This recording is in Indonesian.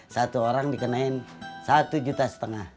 satu orang dikenain satu juta setengah